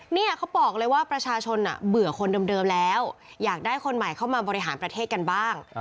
เนี่ยเขาบอกเลยว่าประชาชนเบื่อคนเดิมแล้วอยากได้คนใหม่เข้ามาบริหารประเทศกันบ้าง